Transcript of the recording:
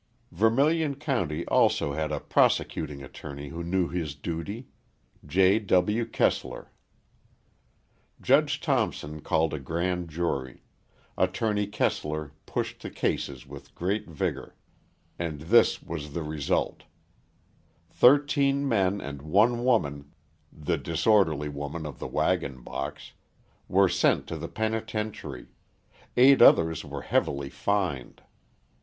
Vermilion County also had a prosecuting attorney who knew his duty J. W. Keeslar. Judge Thompson called a grand jury, Attorney Keeslar pushed the cases with great vigour, and this was the result: thirteen men and one woman (the disorderly woman of the waggon box) were sent to the penitentiary, eight others were heavily fined.